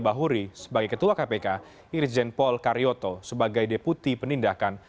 bahuri sebagai ketua kpk irjen pol karyoto sebagai deputi penindakan